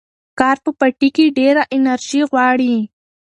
کار په پټي کې ډېره انرژي غواړي.